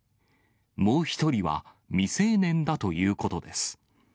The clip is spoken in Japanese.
もう１人は未成年だということです。